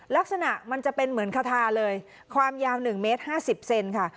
ลักษณะมันจะเป็นเหมือนคาทาเลยความยาว๑เมตร๕๐เซนค่ะ